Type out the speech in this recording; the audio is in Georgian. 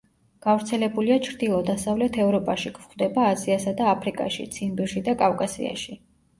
გავრცელებულია ჩრდილო-დასავლეთ ევროპაში, გვხვდება აზიასა და აფრიკაში, ციმბირში და კავკასიაში.